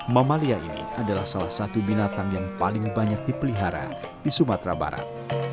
mamalia ini adalah salah satu binatang yang paling banyak dipelihara di sumatera barat